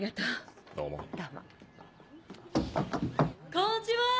こんちは！